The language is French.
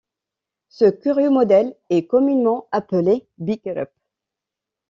Ce curieux modèle est communément appelé Big Rip.